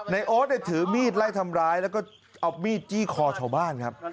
โอ๊ตถือมีดไล่ทำร้ายแล้วก็เอามีดจี้คอชาวบ้านครับ